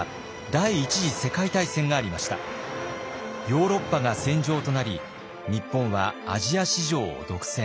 ヨーロッパが戦場となり日本はアジア市場を独占。